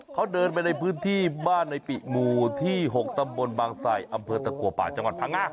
เขาเดินไปในพื้นที่บ้านในปิหมู่ที่๖ตำบลบางใส่อำเภอตะกัวป่าจังหวัดพังง่า